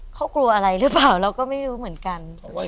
เขากลัวอะไรหรือเปล่าเราก็ไม่รู้เหมือนกัน